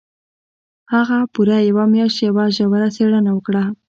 هغه پوره يوه مياشت يوه ژوره څېړنه وکړه.